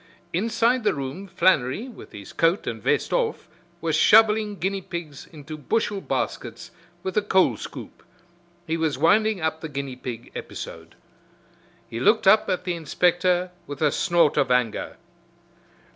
Inside the room Flannery, with' his coat and vest off, was shoveling guinea pigs into bushel baskets with a coal scoop. He was winding up the guinea pig episode. He looked up at the inspector with a snort of anger.